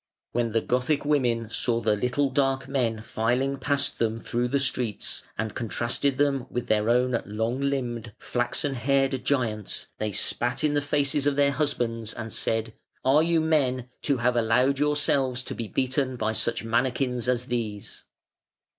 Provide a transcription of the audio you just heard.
When the Gothic women saw the little dark men filing past them through the streets, and contrasted them with their own long limbed, flaxen haired giants, they spat in the faces of their husbands, and said: "Are you men, to have allowed yourselves to be beaten by such manikins as these?"